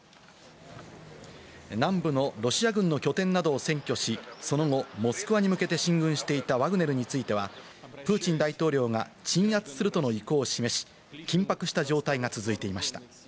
南部のロシア軍の拠点などを占拠し、その後、モスクワに向けて進軍していたワグネルについては、プーチン大統領が鎮圧するとの意向を示し、緊迫した状態が続いていました。